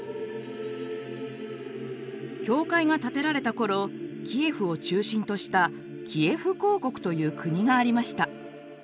教会が建てられた頃キエフを中心としたキエフ公国という国がありました。